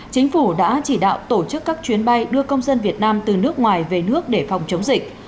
chính phủ đã chỉ đạo tổ chức các chuyến bay đưa công dân việt nam từ nước ngoài về nước để phòng chống dịch